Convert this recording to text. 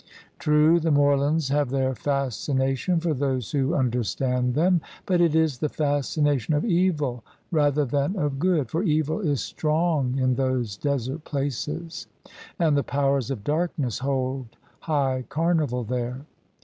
True, the moorlands have their fascination for those who under stand them; but it is the fascination of evil rather than of good : for evil is strong in those desert places, and the powers of darkness hold high carnival there.